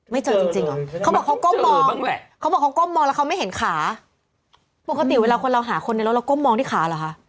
ไม่เจอจริงหรอเขาบอกเขาก้มมองแล้วเขาไม่เห็นขาปกติเวลาคนเราหาคนในรถเราก้มมองที่ขาหรอคะ